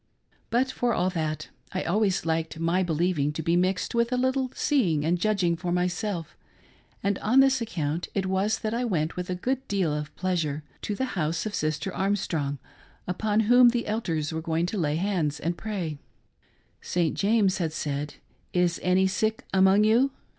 But, for all that, I always liked my believing to be mixed with a little seeing and judging for myself ; and on this account it was that I went, with a good deal of pleasure, to the housfe of Sister Armstrong upon whom the elders were going to lay hands and pray. St. James had said: "Is any sick among you.'